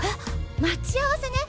待ち合わせね！